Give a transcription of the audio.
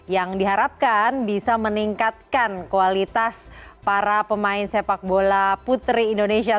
yang diharapkan bisa meningkatkan kualitas para pemain sepak bola putri indonesia